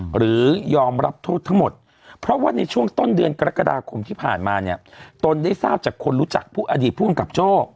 หรือยอมรับโทษทั้งหมดเพราะว่าในช่วงต้นเดือนกรกฎาคมที่ผ่านมาเนี่ยตนได้ทราบจากคนรู้จักผู้อดีตผู้กำกับโจ้